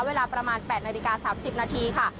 เวลาประมาณ๘นาฬิกา๓๐นาทีค่ะ